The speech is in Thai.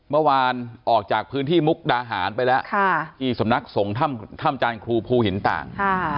เมื่อวานออกจากพื้นที่มุกดาหารไปแล้วที่สำนักสงฆ์ถ้ำจานครูภูหินต่าง